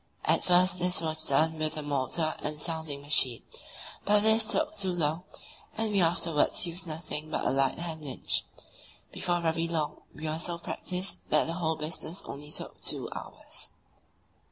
At first this was done with the motor and sounding machine, but this took too long, and we afterwards used nothing but a light hand winch. Before very long we were so practised that the whole business only took two hours.